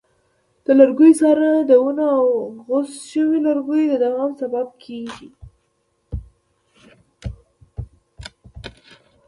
د لرګیو څارنه د ونو او غوڅ شویو لرګیو د دوام سبب کېږي.